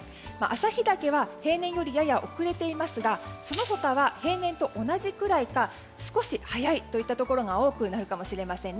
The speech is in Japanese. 旭岳は平年よりやや遅れていますがその他は平年と同じくらいか少し早いといったところが多くなるかもしれません。